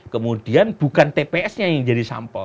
kemudian bukan tps nya yang jadi sampel